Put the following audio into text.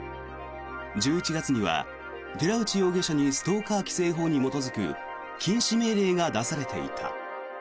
１１月には寺内容疑者にストーカー規制法に基づく禁止命令が出されていた。